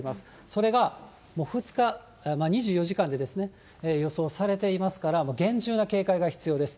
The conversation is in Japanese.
それが２日、２４時間で予想されていますから、厳重な警戒が必要です。